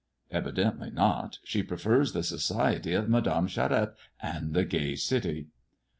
I "Evidently not. She prefers the society of Madame I Charette and the gay city."